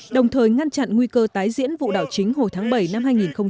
đồng thời ngăn chặn nguy cơ tái diễn vụ đảo chính hồi tháng bảy năm hai nghìn hai mươi